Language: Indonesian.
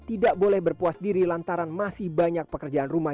tidak boleh berpuas diri lantaran masih banyak pekerjaan rumah